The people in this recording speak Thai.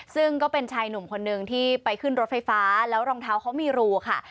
ซึ่งก็เป็นชายหนุ่มคนนึงที่ไปขึ้นรถไฟฟ้าแล้วรองเท้าเขามีรูค่ะ